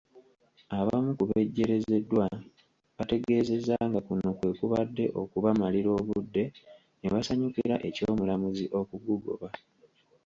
Abamu ku bejjeerezeddwa bategeezezza nga kuno bwe kubadde okubamalira obudde ne basanyukira eky'omulamuzi okugugoba.